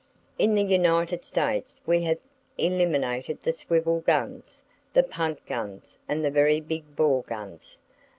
In the United States we have eliminated the swivel guns, the punt guns and the very big bore guns.